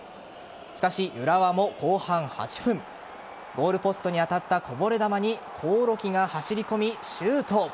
しかし浦和も後半８分ゴールポストに当たったこぼれ球に興梠が走り込み、シュート。